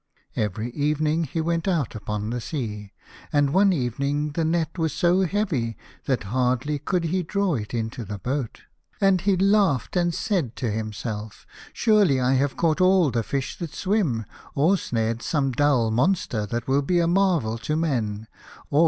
Every evening he went out upon the sea, and one evening the net was so heavy that hardly could he draw it into the boat. And he laughed, and said to himself, "Surely I have caught all the fish that swim, or snared some dull monster that will be a marvel to men, or some thin?